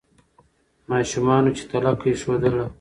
ماشومانو چي تلکه ایښودله